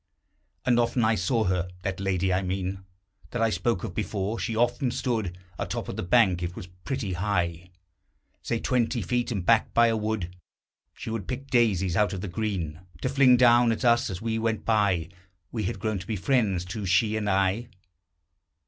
And often I saw her: that lady, I mean, That I spoke of before. She often stood Atop of the bank; it was pretty high, Say, twenty feet, and backed by a wood. She would pick daisies out of the green To fling down at us as we went by. We had grown to be friends, too, she and I.